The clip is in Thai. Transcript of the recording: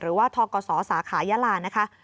หรือว่าทกศสาขายาลานะคะ